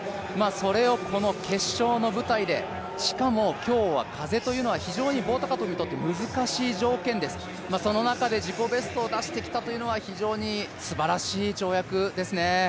それをこの決勝の舞台で、しかも今日は風は非常に棒高跳にとって難しい条件です、その中で自己ベストを出してきたというのは非常にすばらしい跳躍ですね。